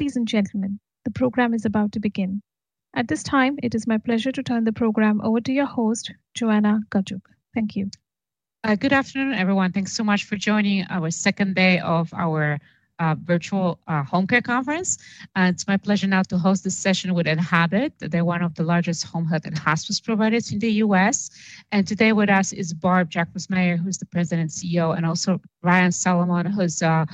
Ladies and gentlemen, the program is about to begin. At this time, it is my pleasure to turn the program over to your host, Joanna Gajuk. Thank you. Good afternoon, everyone. Thanks so much for joining our second day of our virtual home care conference. It's my pleasure now to host this session with Enhabit. They're one of the largest home health and hospice providers in the U.S., and today with us is Barb Jacobsmeyer, who's the President and CEO, and also Ryan Solomon, who's the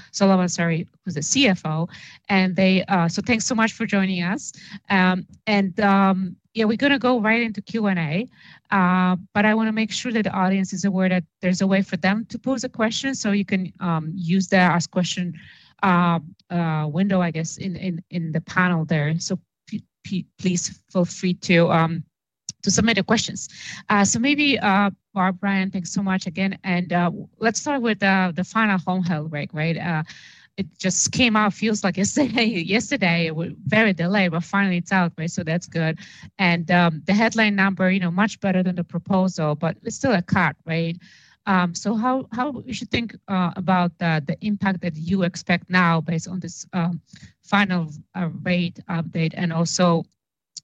CFO. And so thanks so much for joining us, and yeah, we're going to go right into Q&A, but I want to make sure that the audience is aware that there's a way for them to pose a question so you can use the ask question window, I guess, in the panel there. So please feel free to submit your questions, so maybe, Barb, Ryan, thanks so much again, and let's start with the final home health rate, right? It just came out. Feels like yesterday, with very little delay, but finally it's out, right? So that's good, and the headline number, you know, much better than the proposal, but it's still a cut, right? So how you think about the impact that you expect now based on this final rate update and also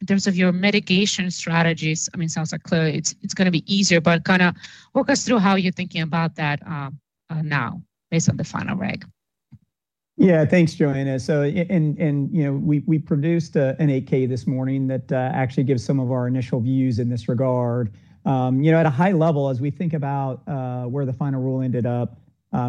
in terms of your mitigation strategies? I mean, it sounds like clearly it's going to be easier, but kind of walk us through how you're thinking about that now based on the final reg. Yeah, thanks, Joanna. So we produced an 8-K this morning that actually gives some of our initial views in this regard. You know, at a high level, as we think about where the final rule ended up,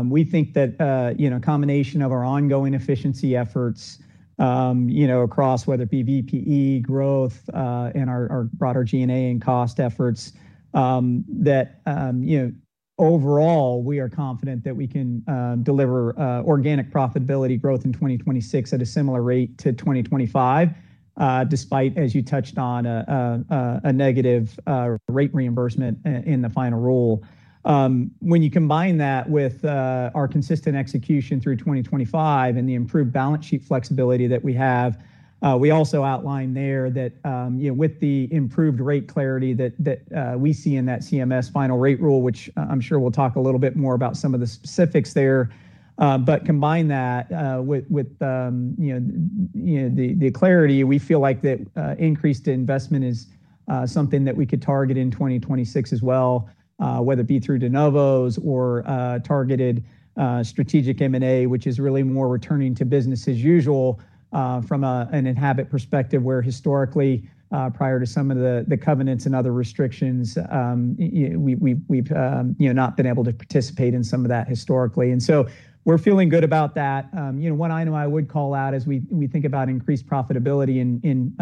we think that a combination of our ongoing efficiency efforts across whether it be VPE growth and our broader G&A and cost efforts, that overall we are confident that we can deliver organic profitability growth in 2026 at a similar rate to 2025, despite, as you touched on, a negative rate reimbursement in the final rule. When you combine that with our consistent execution through 2025 and the improved balance sheet flexibility that we have, we also outline there that with the improved rate clarity that we see in that CMS final rate rule, which I'm sure we'll talk a little bit more about some of the specifics there, but combine that with the clarity, we feel like that increased investment is something that we could target in 2026 as well, whether it be through de novos or targeted strategic M&A, which is really more returning to business as usual from an Enhabit perspective where historically, prior to some of the covenants and other restrictions, we've not been able to participate in some of that historically. And so we're feeling good about that. You know, one item I would call out as we think about increased profitability in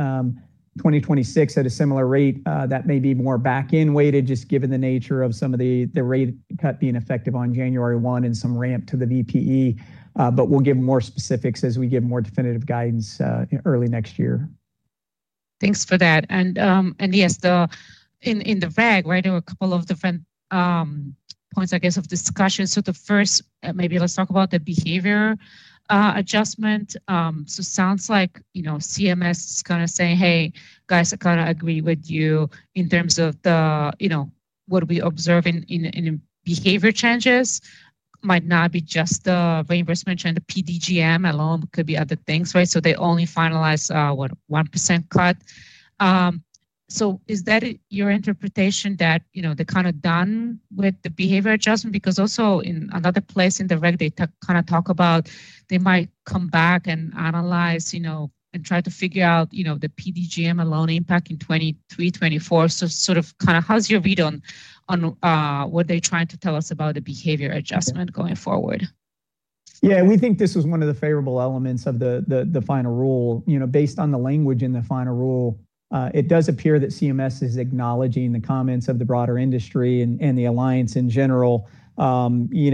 2026 at a similar rate, that may be more back-end weighted just given the nature of some of the rate cut being effective on January 1 and some ramp to the VPE, but we'll give more specifics as we give more definitive guidance early next year. Thanks for that. And yes, in the reg, there were a couple of different points, I guess, of discussion. So the first, maybe let's talk about the behavior adjustment. So it sounds like CMS is going to say, "Hey, guys, I kind of agree with you in terms of what we observe in behavior changes." Might not be just the reimbursement and the PDGM alone, could be other things, right? So they only finalize a 1% cut. So is that your interpretation that they're kind of done with the behavior adjustment? Because also in another place in the reg, they kind of talk about they might come back and analyze and try to figure out the PDGM alone impact in 2023, 2024. So sort of kind of how's your read on what they're trying to tell us about the behavior adjustment going forward? Yeah, we think this was one of the favorable elements of the final rule. Based on the language in the final rule, it does appear that CMS is acknowledging the comments of the broader industry and the Alliance in general, and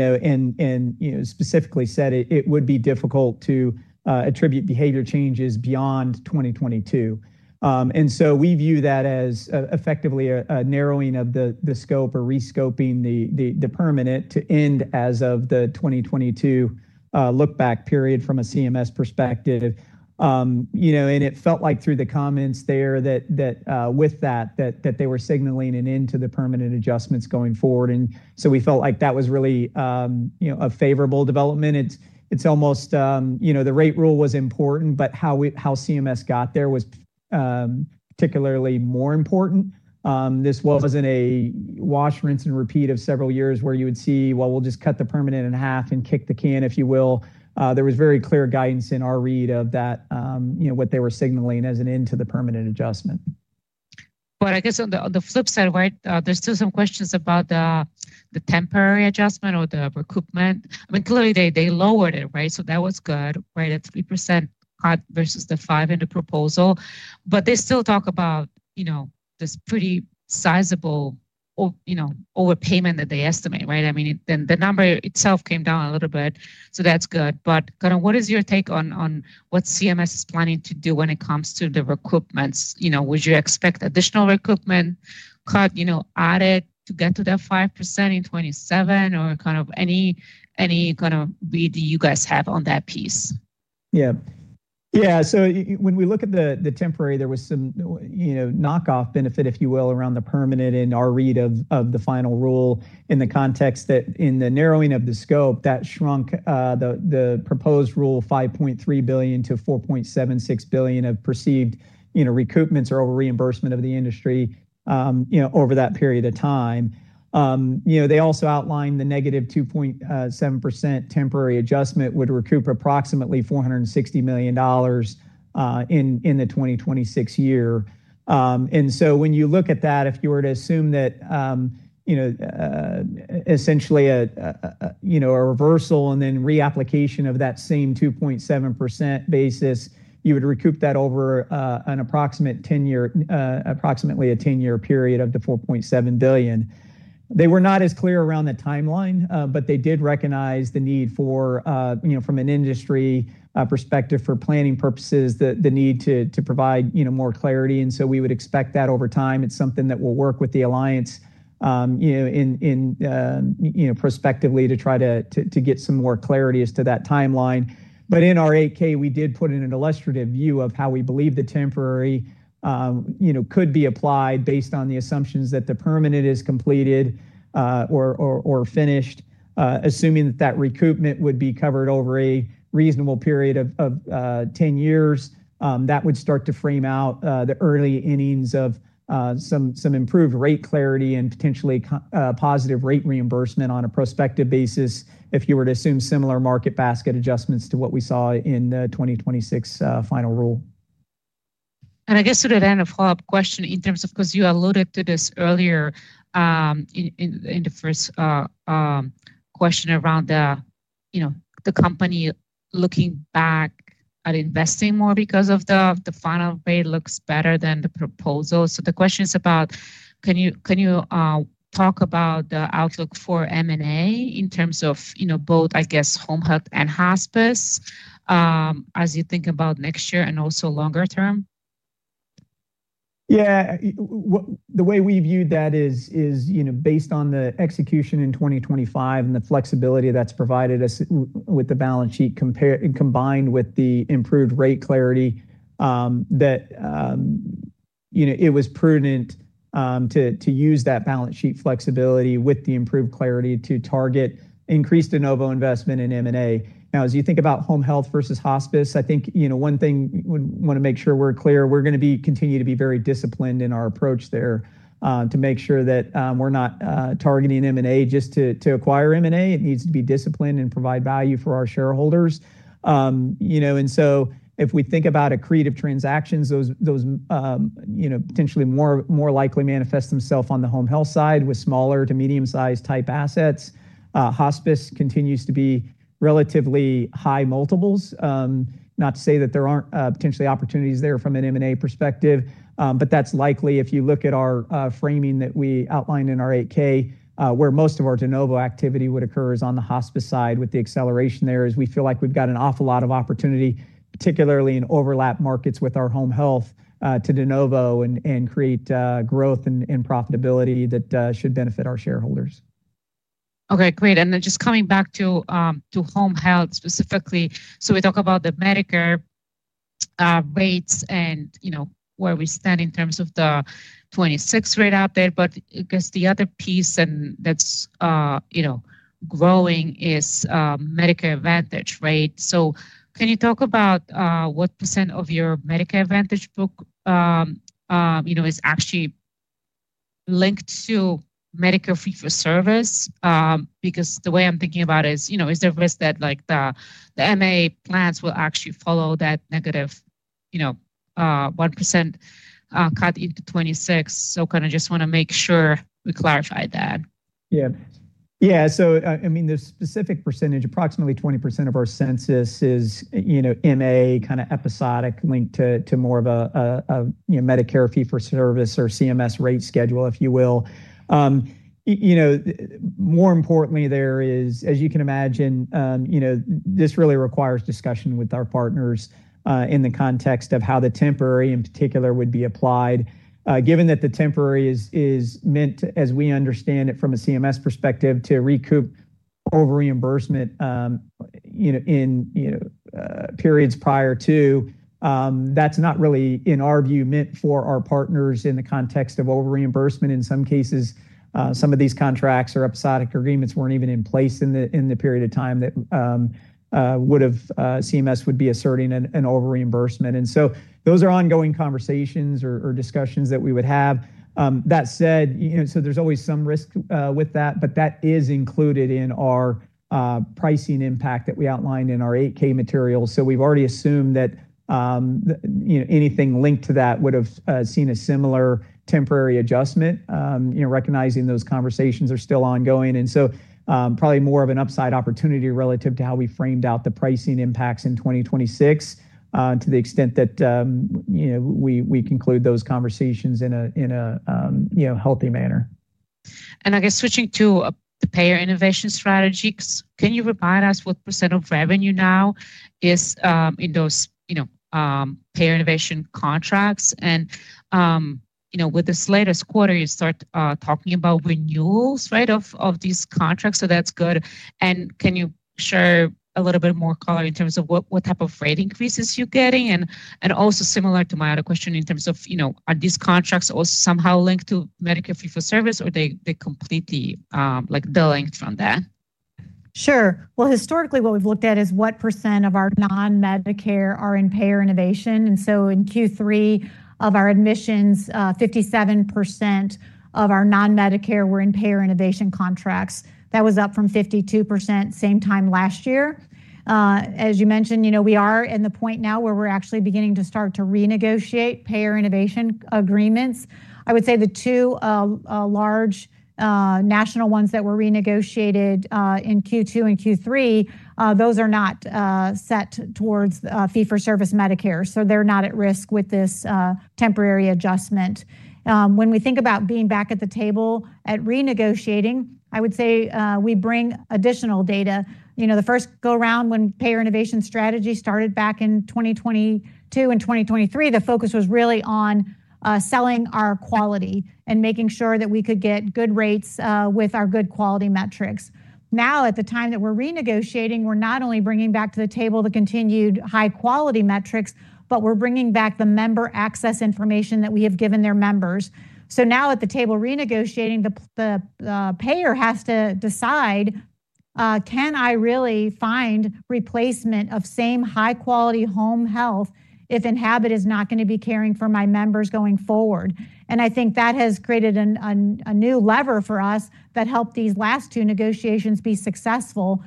specifically said it would be difficult to attribute behavior changes beyond 2022. And so we view that as effectively a narrowing of the scope or rescoping the permanent to end as of the 2022 lookback period from a CMS perspective. And it felt like through the comments there that with that, that they were signaling an end to the permanent adjustments going forward. And so we felt like that was really a favorable development. It's almost the rate rule was important, but how CMS got there was particularly more important. This wasn't a wash, rinse, and repeat of several years where you would see, "Well, we'll just cut the permanent in half and kick the can," if you will. There was very clear guidance in our read of what they were signaling as an end to the permanent adjustment. But I guess on the flip side, right? There's still some questions about the temporary adjustment or the recoupment. I mean, clearly they lowered it, right? So that was good, right? At 3% cut versus the 5% in the proposal. But they still talk about this pretty sizable overpayment that they estimate, right? I mean, the number itself came down a little bit. So that's good. But kind of what is your take on what CMS is planning to do when it comes to the recoupments? Would you expect additional recoupment cut added to get to that 5% in '27 or kind of any kind of read you guys have on that piece? Yeah. Yeah. So when we look at the temporary, there was some knockoff benefit, if you will, around the permanent in our read of the final rule in the context that in the narrowing of the scope, that shrunk the proposed rule $5.3 billion to $4.76 billion of perceived recoupments or over-reimbursement of the industry over that period of time. They also outlined the -2.7% temporary adjustment would recoup approximately $460 million in the 2026 year. And so when you look at that, if you were to assume that essentially a reversal and then reapplication of that same 2.7% basis, you would recoup that over an approximately 10-year period of the $4.7 billion. They were not as clear around the timeline, but they did recognize the need for, from an industry perspective for planning purposes, the need to provide more clarity. And so we would expect that over time. It's something that will work with the Alliance prospectively to try to get some more clarity as to that timeline. But in our 8-K, we did put in an illustrative view of how we believe the temporary could be applied based on the assumptions that the permanent is completed or finished. Assuming that that recoupment would be covered over a reasonable period of 10 years, that would start to frame out the early innings of some improved rate clarity and potentially positive rate reimbursement on a prospective basis if you were to assume similar market basket adjustments to what we saw in the 2026 final rule. And I guess sort of then a follow-up question in terms of, because you alluded to this earlier in the first question around the company looking back at investing more because of the final rate looks better than the proposal. So the question is about, can you talk about the outlook for M&A in terms of both, I guess, home health and hospice as you think about next year and also longer term? Yeah. The way we viewed that is based on the execution in 2025 and the flexibility that's provided us with the balance sheet combined with the improved rate clarity, that it was prudent to use that balance sheet flexibility with the improved clarity to target increased de novo investment in M&A. Now, as you think about home health versus hospice, I think one thing we want to make sure we're clear, we're going to continue to be very disciplined in our approach there to make sure that we're not targeting M&A just to acquire M&A. It needs to be disciplined and provide value for our shareholders. And so if we think about accretive transactions, those potentially more likely manifest themselves on the home health side with smaller to medium-sized type assets. Hospice continues to be relatively high multiples, not to say that there aren't potentially opportunities there from an M&A perspective, but that's likely if you look at our framing that we outlined in our 8-K, where most of our de novo activity would occur is on the hospice side with the acceleration there as we feel like we've got an awful lot of opportunity, particularly in overlap markets with our home health to de novo and create growth and profitability that should benefit our shareholders. Okay, great. And then just coming back to home health specifically, so we talk about the Medicare rates and where we stand in terms of the 2026 rate out there, but I guess the other piece that's growing is Medicare Advantage, right? So can you talk about what % of your Medicare Advantage book is actually linked to Medicare fee-for-service? Because the way I'm thinking about it is, is there risk that the MA plans will actually follow that negative 1% cut into 2026? So kind of just want to make sure we clarify that. Yeah. Yeah. So I mean, the specific percentage, approximately 20% of our census is MA kind of episodic linked to more of a Medicare fee-for-service or CMS rate schedule, if you will. More importantly, there is, as you can imagine, this really requires discussion with our partners in the context of how the temporary in particular would be applied. Given that the temporary is meant, as we understand it from a CMS perspective, to recoup over-reimbursement in periods prior to, that's not really, in our view, meant for our partners in the context of over-reimbursement. In some cases, some of these contracts or episodic agreements weren't even in place in the period of time that CMS would be asserting an over-reimbursement. And so those are ongoing conversations or discussions that we would have. That said, so there's always some risk with that, but that is included in our pricing impact that we outlined in our 8-K materials. So we've already assumed that anything linked to that would have seen a similar temporary adjustment, recognizing those conversations are still ongoing. And so probably more of an upside opportunity relative to how we framed out the pricing impacts in 2026 to the extent that we conclude those conversations in a healthy manner. I guess switching to Payer Innovation strategies, can you provide us what % of revenue now is in those Payer Innovation contracts? And with this latest quarter, you start talking about renewals, right, of these contracts. So that's good. And can you share a little bit more color in terms of what type of rate increases you're getting? And also similar to my other question in terms of, are these contracts also somehow linked to Medicare fee-for-service or they completely de-linked from that? Sure. Well, historically, what we've looked at is what % of our non-Medicare are in payer innovation. And so in Q3 of our admissions, 57% of our non-Medicare were in payer innovation contracts. That was up from 52% same time last year. As you mentioned, we are at the point now where we're actually beginning to start to renegotiate payer innovation agreements. I would say the two large national ones that were renegotiated in Q2 and Q3, those are not set towards fee for service Medicare. So they're not at risk with this temporary adjustment. When we think about being back at the table at renegotiating, I would say we bring additional data. The first go-round when payer innovation strategy started back in 2022 and 2023, the focus was really on selling our quality and making sure that we could get good rates with our good quality metrics. Now, at the time that we're renegotiating, we're not only bringing back to the table the continued high-quality metrics, but we're bringing back the member access information that we have given their members, so now at the table renegotiating, the payer has to decide, can I really find replacement of same high-quality home health if Enhabit is not going to be caring for my members going forward, and I think that has created a new lever for us that helped these last two negotiations be successful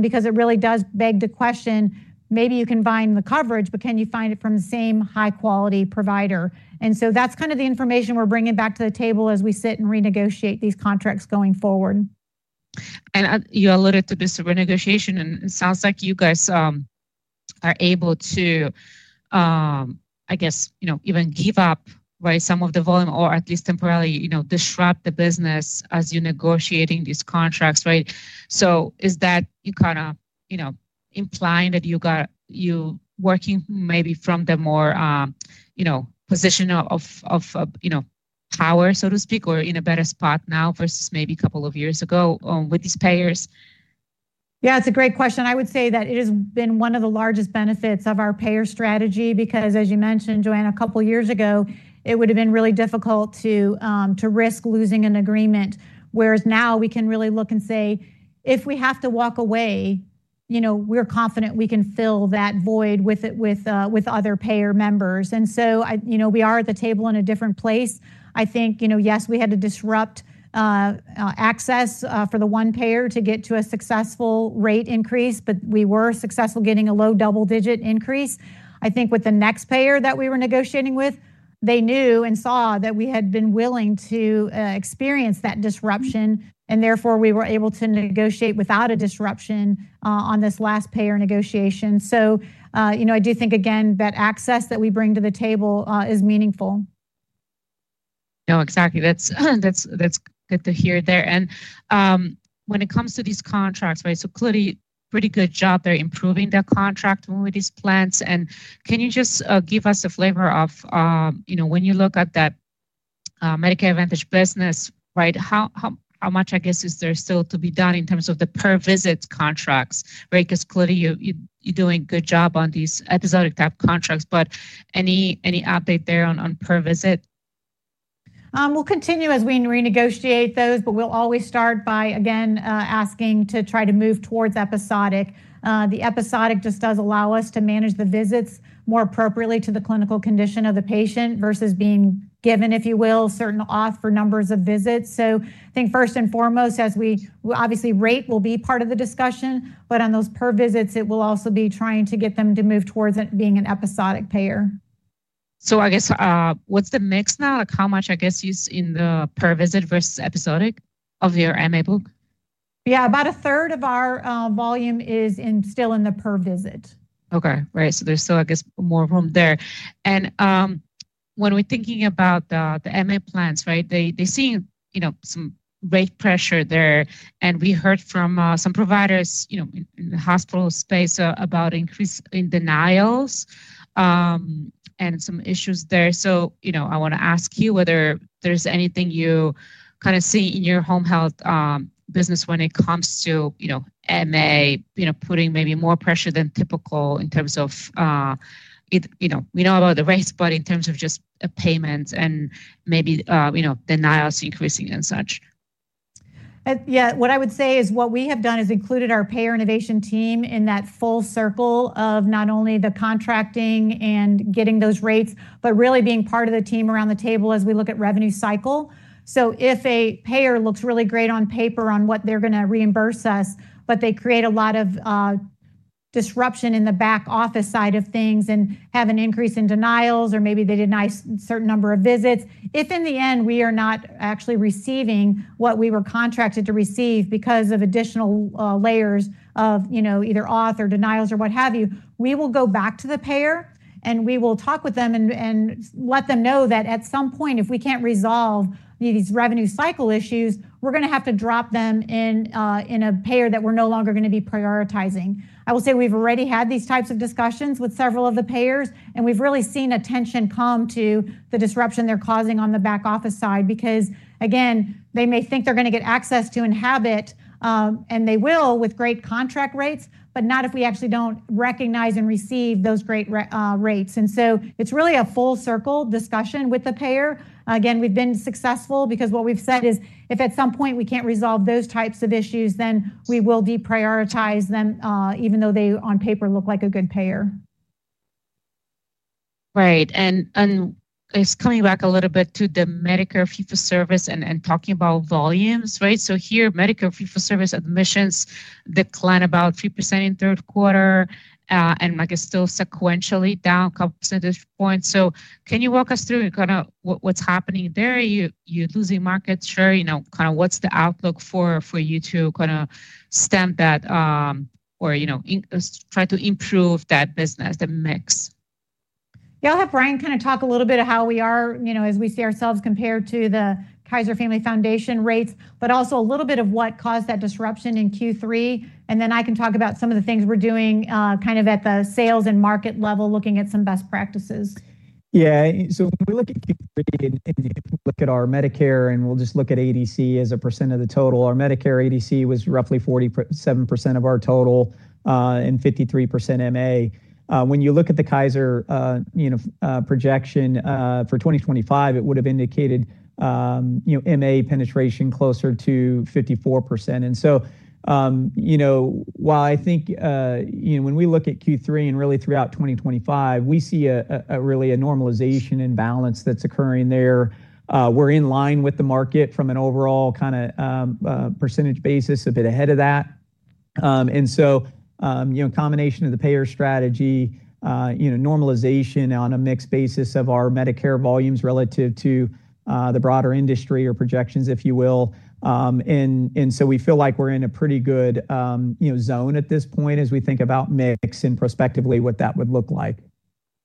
because it really does beg the question, maybe you can find the coverage, but can you find it from the same high-quality provider, and so that's kind of the information we're bringing back to the table as we sit and renegotiate these contracts going forward. And you alluded to this renegotiation, and it sounds like you guys are able to, I guess, even give up some of the volume or at least temporarily disrupt the business as you're negotiating these contracts, right? So is that you kind of implying that you're working maybe from the more position of power, so to speak, or in a better spot now versus maybe a couple of years ago with these payers? Yeah, it's a great question. I would say that it has been one of the largest benefits of our payer strategy because, as you mentioned, Joanna, a couple of years ago, it would have been really difficult to risk losing an agreement, whereas now we can really look and say, if we have to walk away, we're confident we can fill that void with other payer members. And so we are at the table in a different place. I think, yes, we had to disrupt access for the one payer to get to a successful rate increase, but we were successful getting a low double-digit increase. I think with the next payer that we were negotiating with, they knew and saw that we had been willing to experience that disruption, and therefore we were able to negotiate without a disruption on this last payer negotiation. So I do think, again, that access that we bring to the table is meaningful. No, exactly. That's good to hear there. And when it comes to these contracts, right, so clearly pretty good job they're improving their contract with these plans. And can you just give us a flavor of when you look at that Medicare Advantage business, right, how much, I guess, is there still to be done in terms of the per-visit contracts, right? Because clearly you're doing a good job on these episodic type contracts, but any update there on per-visit? We'll continue as we renegotiate those, but we'll always start by, again, asking to try to move towards episodic. The episodic just does allow us to manage the visits more appropriately to the clinical condition of the patient versus being given, if you will, certain auth for numbers of visits. So I think first and foremost, as we obviously rate will be part of the discussion, but on those per-visits, it will also be trying to get them to move towards being an episodic payer. So I guess what's the mix now? Like how much, I guess, is in the per-visit versus episodic of your MA book? Yeah, about a third of our volume is still in the per-visit. Okay. Right. So there's still, I guess, more room there. And when we're thinking about the MA plans, right, they're seeing some rate pressure there. And we heard from some providers in the hospital space about increase in denials and some issues there. So I want to ask you whether there's anything you kind of see in your home health business when it comes to MA putting maybe more pressure than typical in terms of we know about the rates, but in terms of just payments and maybe denials increasing and such. Yeah. What I would say is what we have done is included our Payer Innovation team in that full circle of not only the contracting and getting those rates, but really being part of the team around the table as we look at revenue cycle. If a payer looks really great on paper on what they're going to reimburse us, but they create a lot of disruption in the back office side of things and have an increase in denials or maybe they deny a certain number of visits, if in the end we are not actually receiving what we were contracted to receive because of additional layers of either auth or denials or what have you, we will go back to the payer and we will talk with them and let them know that at some point, if we can't resolve these revenue cycle issues, we're going to have to drop them as a payer that we're no longer going to be prioritizing. I will say we've already had these types of discussions with several of the payers, and we've really seen attention come to the disruption they're causing on the back office side because, again, they may think they're going to get access to Enhabit, and they will with great contract rates, but not if we actually don't recognize and receive those great rates, and so it's really a full circle discussion with the payer. Again, we've been successful because what we've said is if at some point we can't resolve those types of issues, then we will deprioritize them even though they on paper look like a good payer. Right. And just coming back a little bit to the Medicare fee for service and talking about volumes, right? So here, Medicare fee for service admissions declined about 3% in third quarter and I guess still sequentially down a couple of points. So can you walk us through kind of what's happening there? You're losing market share. Kind of what's the outlook for you to kind of stem that or try to improve that business, that mix? Yeah, I'll have Ryan kind of talk a little bit of how we are as we see ourselves compared to the Kaiser Family Foundation rates, but also a little bit of what caused that disruption in Q3, and then I can talk about some of the things we're doing kind of at the sales and market level, looking at some best practices. Yeah. So when we look at Q3 and look at our Medicare, and we'll just look at ADC as a percent of the total, our Medicare ADC was roughly 47% of our total and 53% MA. When you look at the Kaiser projection for 2025, it would have indicated MA penetration closer to 54%. And so while I think when we look at Q3 and really throughout 2025, we see really a normalization and balance that's occurring there. We're in line with the market from an overall kind of percentage basis, a bit ahead of that. And so combination of the payer strategy, normalization on a mixed basis of our Medicare volumes relative to the broader industry or projections, if you will. And so we feel like we're in a pretty good zone at this point as we think about mix and prospectively what that would look like.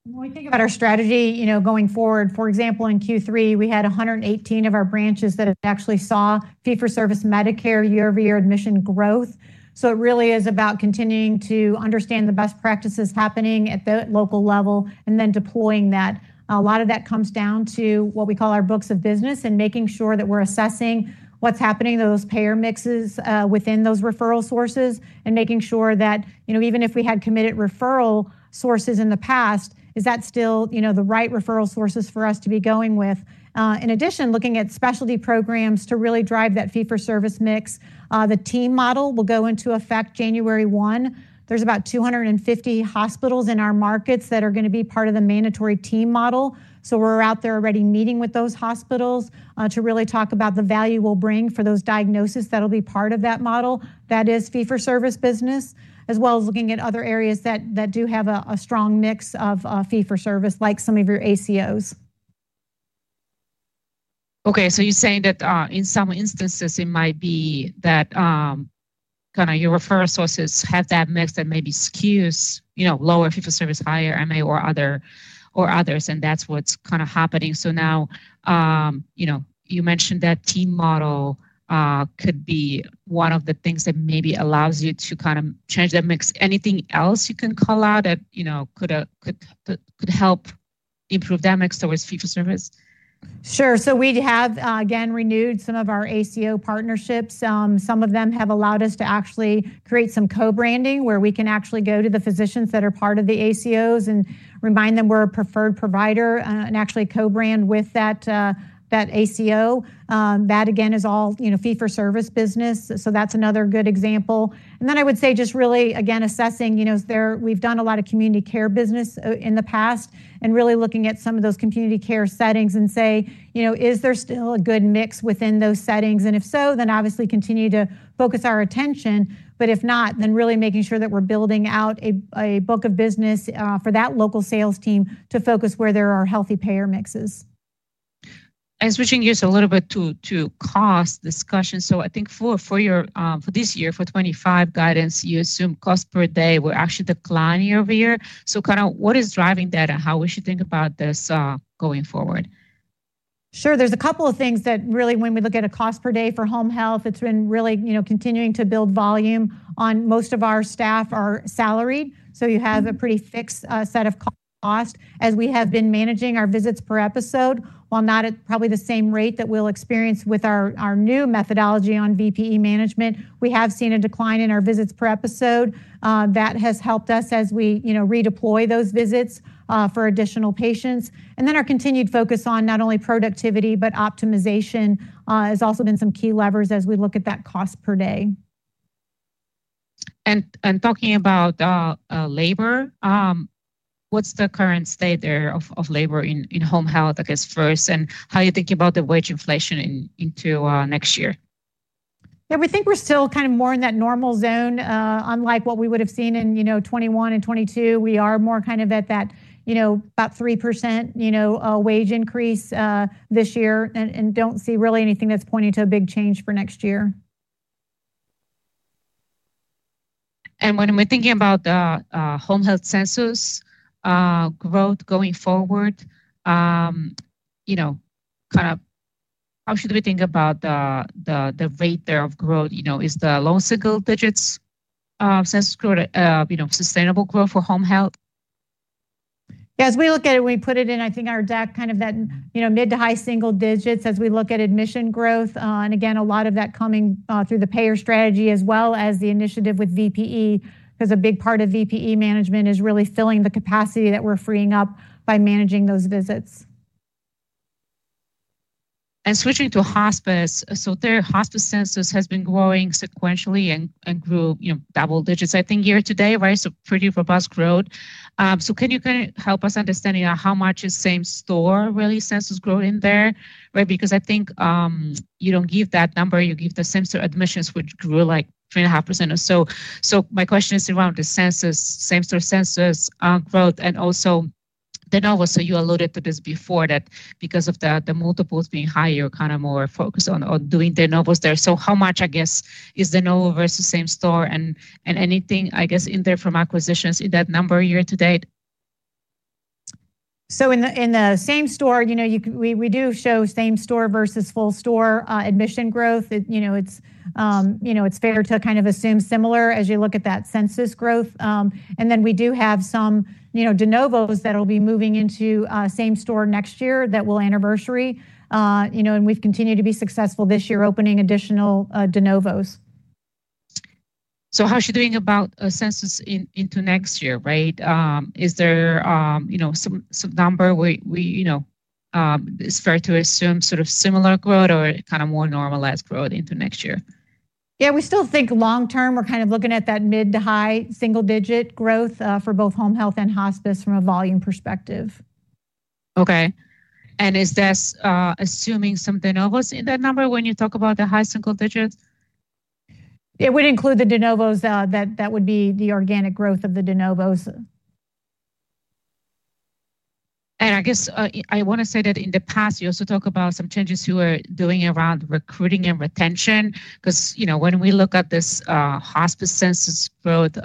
When we think about our strategy going forward, for example, in Q3, we had 118 of our branches that actually saw fee-for-service Medicare year-over-year admission growth. So it really is about continuing to understand the best practices happening at the local level and then deploying that. A lot of that comes down to what we call our books of business and making sure that we're assessing what's happening, those payer mixes within those referral sources and making sure that even if we had committed referral sources in the past, is that still the right referral sources for us to be going with? In addition, looking at specialty programs to really drive that fee-for-service mix, the TEAM model will go into effect January 1. There's about 250 hospitals in our markets that are going to be part of the mandatory TEAM model. We're out there already meeting with those hospitals to really talk about the value we'll bring for those diagnoses that'll be part of that model. That is fee for service business, as well as looking at other areas that do have a strong mix of fee for service like some of your ACOs. Okay. So you're saying that in some instances, it might be that kind of your referral sources have that mix that maybe skews lower fee-for-service, higher MA or others, and that's what's kind of happening. So now you mentioned that TEAM model could be one of the things that maybe allows you to kind of change that mix. Anything else you can call out that could help improve that mix towards fee-for-service? Sure. So we have, again, renewed some of our ACO partnerships. Some of them have allowed us to actually create some co-branding where we can actually go to the physicians that are part of the ACOs and remind them we're a preferred provider and actually co-brand with that ACO. That, again, is all fee for service business. So that's another good example. And then I would say just really, again, assessing we've done a lot of community care business in the past and really looking at some of those community care settings and say, is there still a good mix within those settings? And if so, then obviously continue to focus our attention. But if not, then really making sure that we're building out a book of business for that local sales team to focus where there are healthy payer mixes. Switching gears a little bit to cost discussion. I think for this year, for 2025 guidance, you assume cost per day were actually declining year-over-year. Kind of what is driving that and how we should think about this going forward? Sure. There's a couple of things that really, when we look at a cost per day for home health, it's been really continuing to build volume, on most of our staff are salaried. So you have a pretty fixed set of costs. As we have been managing our visits per episode, while not at probably the same rate that we'll experience with our new methodology on VPE management, we have seen a decline in our visits per episode. That has helped us as we redeploy those visits for additional patients, and then our continued focus on not only productivity, but optimization has also been some key levers as we look at that cost per day. Talking about labor, what's the current state there of labor in home health, I guess, first, and how are you thinking about the wage inflation into next year? Yeah, we think we're still kind of more in that normal zone, unlike what we would have seen in 2021 and 2022. We are more kind of at that about 3% wage increase this year and don't see really anything that's pointing to a big change for next year. When we're thinking about the home health census growth going forward, kind of how should we think about the rate there of growth? Is the low single digits census growth sustainable growth for home health? Yeah, as we look at it, we put it in, I think, our deck kind of that mid- to high-single digits as we look at admission growth. Again, a lot of that coming through the payer strategy as well as the initiative with VPE because a big part of VPE management is really filling the capacity that we're freeing up by managing those visits. And switching to hospice, so their hospice census has been growing sequentially and grew double digits, I think, year to date, right? So pretty robust growth. So can you kind of help us understand how much is same store really census growth in there, right? Because I think you don't give that number, you give the same store admissions, which grew like 3.5% or so. So my question is around the same store census growth and also the de novo. So you alluded to this before that because of the multiples being higher, you're kind of more focused on doing the de novos there. So how much, I guess, is the de novo versus same store and anything, I guess, in there from acquisitions in that number year to date? So in the same store, we do show same store versus full store admission growth. It's fair to kind of assume similar as you look at that census growth. And then we do have some de novos that will be moving into same store next year that will anniversary. And we've continued to be successful this year opening additional de novos. So how are you doing about census into next year, right? Is there some number it's fair to assume sort of similar growth or kind of more normalized growth into next year? Yeah, we still think long-term we're kind of looking at that mid to high single digit growth for both home health and hospice from a volume perspective. Okay. And is this assuming some de novos in that number when you talk about the high single digit? It would include the de novos that would be the organic growth of the de novos. I guess I want to say that in the past, you also talk about some changes you are doing around recruiting and retention because when we look at this hospice census growth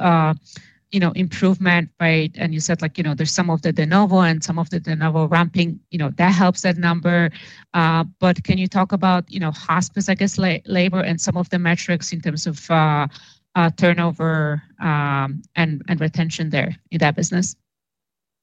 improvement, right? You said like there's some of the de novo and some of the de novo ramping, that helps that number. But can you talk about hospice, I guess, labor and some of the metrics in terms of turnover and retention there in that business?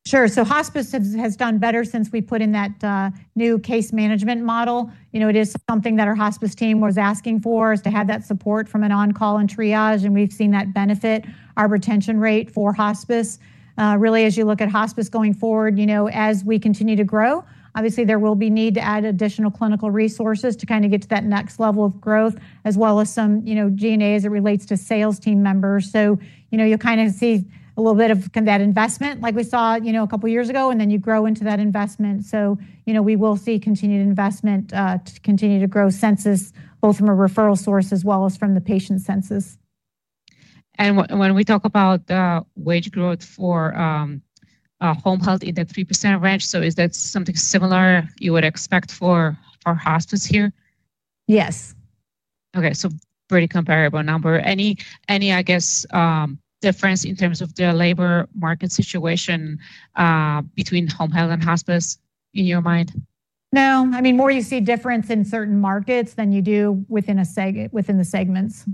Sure. So hospice has done better since we put in that new case management model. It is something that our hospice team was asking for is to have that support from an on-call and triage. And we've seen that benefit our retention rate for hospice. Really, as you look at hospice going forward, as we continue to grow, obviously there will be need to add additional clinical resources to kind of get to that next level of growth as well as some G&A as it relates to sales team members. So you'll kind of see a little bit of that investment like we saw a couple of years ago, and then you grow into that investment. So we will see continued investment to continue to grow census both from a referral source as well as from the patient census. When we talk about wage growth for home health in the 3% range, so is that something similar you would expect for hospice here? Yes. Okay. So pretty comparable number. Any, I guess, difference in terms of the labor market situation between home health and hospice in your mind? No. I mean, more you see difference in certain markets than you do within the segments.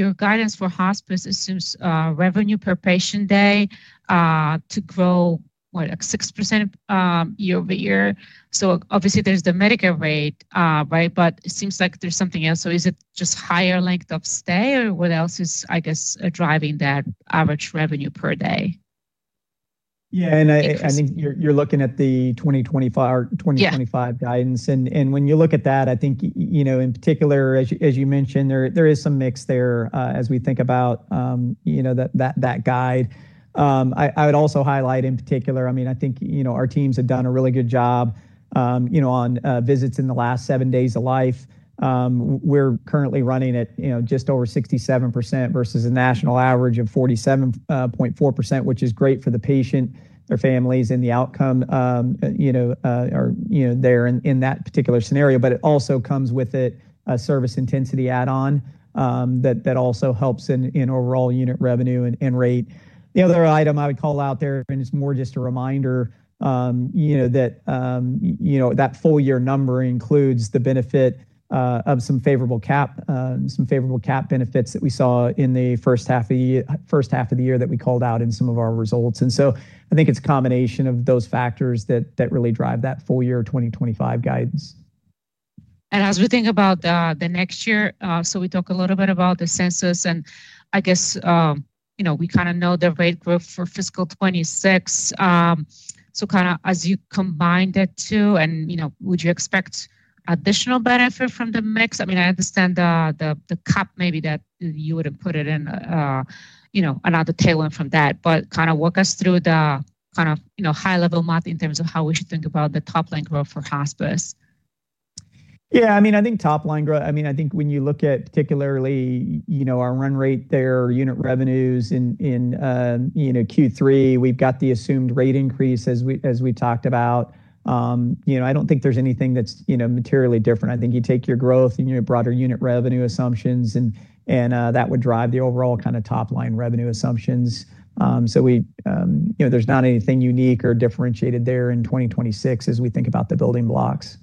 Your guidance for hospice assumes revenue per patient day to grow, what, 6% year-over-year. Obviously there's the Medicare rate, right? It seems like there's something else. Is it just higher length of stay or what else is, I guess, driving that average revenue per day? Yeah. And I think you're looking at the 2025 guidance. And when you look at that, I think in particular, as you mentioned, there is some mix there as we think about that guide. I would also highlight in particular, I mean, I think our teams have done a really good job on visits in the last seven days of life. We're currently running at just over 67% versus a national average of 47.4%, which is great for the patient, their families, and the outcome there in that particular scenario. But it also comes with a service intensity add-on that also helps in overall unit revenue and rate. The other item I would call out there, and it's more just a reminder that that full year number includes the benefit of some favorable cap benefits that we saw in the first half of the year that we called out in some of our results, and so I think it's a combination of those factors that really drive that full year 2025 guidance. And as we think about the next year, so we talk a little bit about the census and I guess we kind of know the rate growth for fiscal 2026, so kind of as you combine that too, and would you expect additional benefit from the mix? I mean, I understand the cap maybe that you would have put it in another tailwind from that, but kind of walk us through the kind of high-level math in terms of how we should think about the top-line growth for hospice. Yeah. I mean, I think top-line growth, I mean, I think when you look at particularly our run rate there, our unit revenues in Q3, we've got the assumed rate increase as we talked about. I don't think there's anything that's materially different. I think you take your growth and your broader unit revenue assumptions, and that would drive the overall kind of top-line revenue assumptions. So there's not anything unique or differentiated there in 2026 as we think about the building blocks.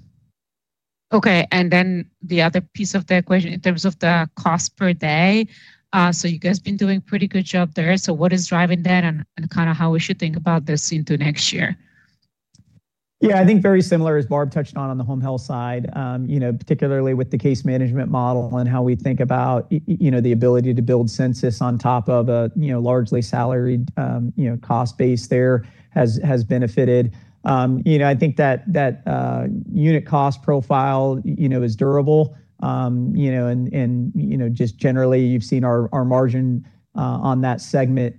Okay. And then the other piece of the equation in terms of the cost per day. So you guys have been doing a pretty good job there. So what is driving that and kind of how we should think about this into next year? Yeah. I think very similar as Barb touched on on the home health side, particularly with the case management model and how we think about the ability to build census on top of a largely salaried cost base there has benefited. I think that unit cost profile is durable. And just generally, you've seen our margin on that segment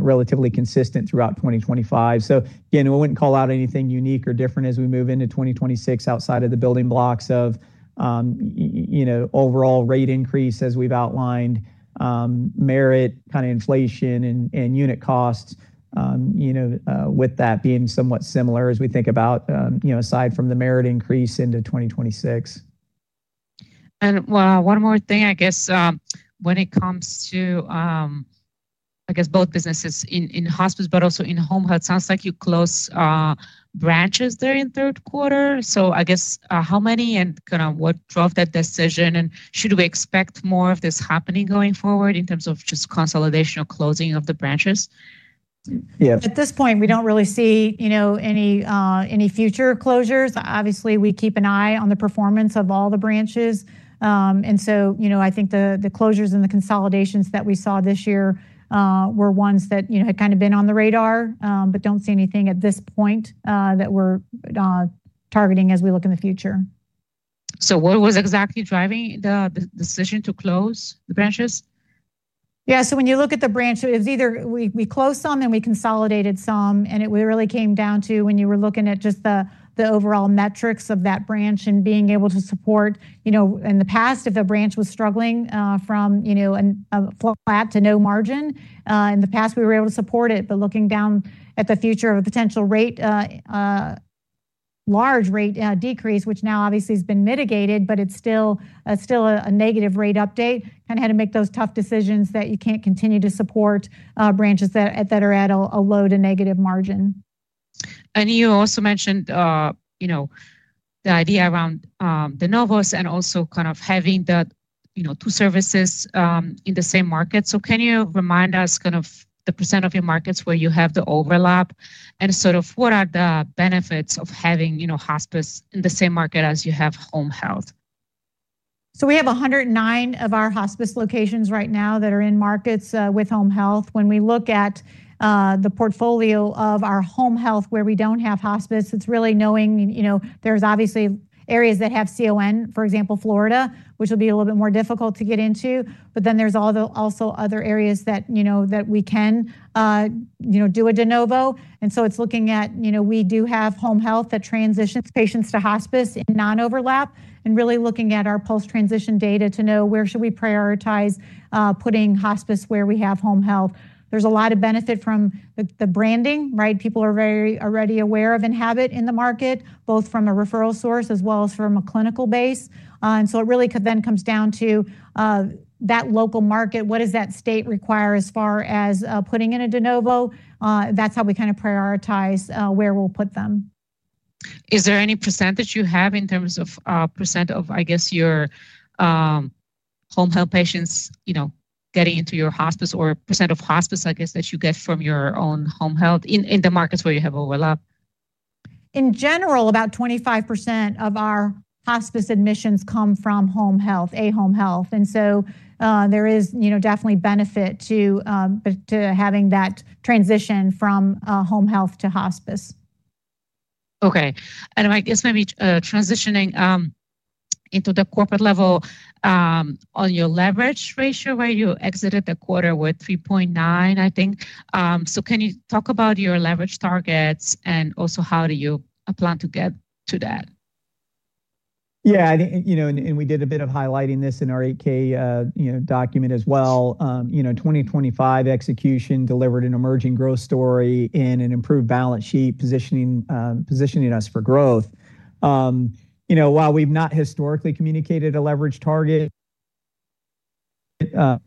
relatively consistent throughout 2025. So again, we wouldn't call out anything unique or different as we move into 2026 outside of the building blocks of overall rate increase as we've outlined, merit, kind of inflation, and unit costs with that being somewhat similar as we think about aside from the merit increase into 2026. And one more thing, I guess, when it comes to, I guess, both businesses in hospice, but also in home health. It sounds like you closed branches there in third quarter. So I guess how many and kind of what drove that decision? And should we expect more of this happening going forward in terms of just consolidation or closing of the branches? Yeah. At this point, we don't really see any future closures. Obviously, we keep an eye on the performance of all the branches. And so I think the closures and the consolidations that we saw this year were ones that had kind of been on the radar, but don't see anything at this point that we're targeting as we look in the future. What was exactly driving the decision to close the branches? Yeah. So when you look at the branch, it's either we closed some and we consolidated some. And it really came down to when you were looking at just the overall metrics of that branch and being able to support in the past if a branch was struggling from a flat to no margin. In the past, we were able to support it. But looking down at the future of a potential large rate decrease, which now obviously has been mitigated, but it's still a negative rate update, kind of had to make those tough decisions that you can't continue to support branches that are at a low to negative margin. And you also mentioned the idea around the de novos and also kind of having the two services in the same market. So can you remind us kind of the percent of your markets where you have the overlap and sort of what are the benefits of having hospice in the same market as you have home health? We have 109 of our hospice locations right now that are in markets with home health. When we look at the portfolio of our home health where we don't have hospice, it's really knowing there's obviously areas that have CON, for example, Florida, which will be a little bit more difficult to get into. But then there's also other areas that we can do a de novo. And so it's looking at we do have home health that transitions patients to hospice in non-overlap and really looking at our post-transition data to know where should we prioritize putting hospice where we have home health. There's a lot of benefit from the branding, right? People are already aware of Enhabit in the market, both from a referral source as well as from a clinical base. And so it really then comes down to that local market, what does that state require as far as putting in a de novo? That's how we kind of prioritize where we'll put them. Is there any percentage you have in terms of % of, I guess, your home health patients getting into your hospice or % of hospice, I guess, that you get from your own home health in the markets where you have overlap? In general, about 25% of our hospice admissions come from home health. And so there is definitely benefit to having that transition from home health to hospice. Okay. And I guess maybe transitioning into the corporate level on your leverage ratio where you exited the quarter with 3.9, I think. So can you talk about your leverage targets and also how do you plan to get to that? Yeah. And we did a bit of highlighting this in our 8-K document as well. 2025 execution delivered an emerging growth story in an improved balance sheet positioning us for growth. While we've not historically communicated a leverage target, current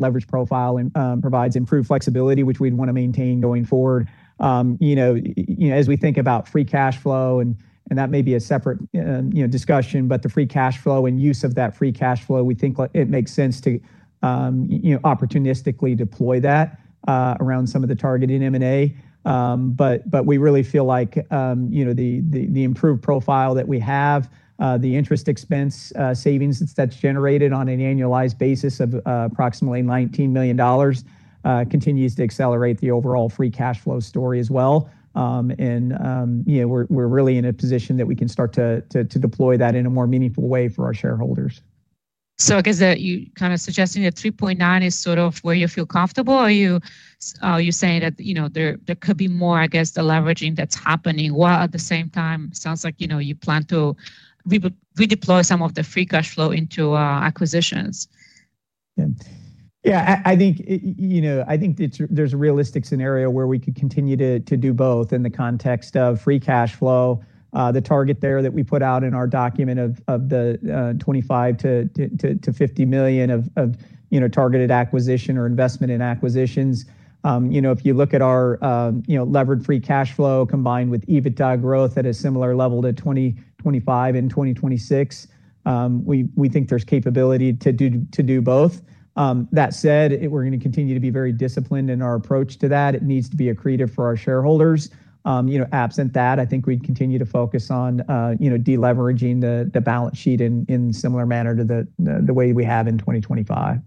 leverage profile provides improved flexibility, which we'd want to maintain going forward. As we think about free cash flow, and that may be a separate discussion, but the free cash flow and use of that free cash flow, we think it makes sense to opportunistically deploy that around some of the targeted M&A. But we really feel like the improved profile that we have, the interest expense savings that's generated on an annualized basis of approximately $19 million continues to accelerate the overall free cash flow story as well. And we're really in a position that we can start to deploy that in a more meaningful way for our shareholders. So I guess that you're kind of suggesting that 3.9 is sort of where you feel comfortable? Are you saying that there could be more, I guess, the leveraging that's happening while at the same time, it sounds like you plan to redeploy some of the free cash flow into acquisitions? Yeah. Yeah. I think there's a realistic scenario where we could continue to do both in the context of free cash flow. The target there that we put out in our document of the $25 million-$50 million of targeted acquisition or investment in acquisitions. If you look at our levered free cash flow combined with EBITDA growth at a similar level to 2025 and 2026, we think there's capability to do both. That said, we're going to continue to be very disciplined in our approach to that. It needs to be accretive for our shareholders. Absent that, I think we'd continue to focus on deleveraging the balance sheet in a similar manner to the way we have in 2025.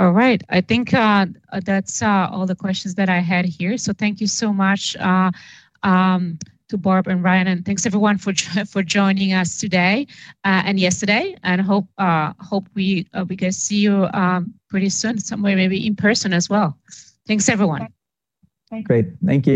All right. I think that's all the questions that I had here. So thank you so much to Barb and Ryan. And thanks everyone for joining us today and yesterday. And I hope we get to see you pretty soon somewhere, maybe in person as well. Thanks, everyone. Thank you. Great. Thank you.